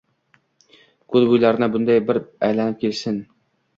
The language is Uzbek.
Koʼl boʼylarini bunday bir aylanib kelishsin.